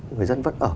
người dân vẫn ở